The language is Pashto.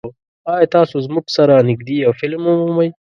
ایا تاسو زما سره نږدې یو فلم ومومئ؟